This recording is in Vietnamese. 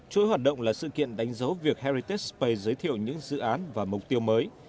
chuỗi hoạt động là sự kiện đánh dấu việc heritaspay giới thiệu những dự án và mục tiêu mới